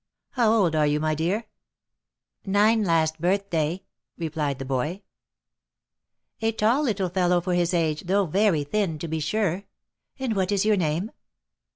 How old are you, my dear ?"" Nine last birthday," replied the boy. OF MICHAEL ARMSTRONG. 17 * A tall little fellow for his age, though very thin, to be sure. And what is your name?"